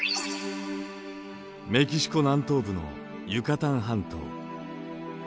メキシコ南東部のユカタン半島。